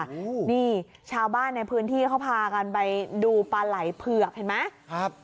โอ้โหนี่ชาวบ้านในพื้นที่เขาพากันไปดูปลาไหล่เผือกเห็นไหมครับ